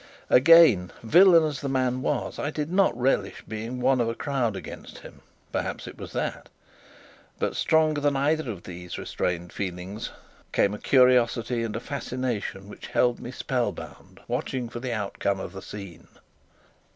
Again, villain as the man was, I did not relish being one of a crowd against him perhaps it was that. But stronger than either of these restrained feelings came a curiosity and a fascination which held me spellbound, watching for the outcome of the scene.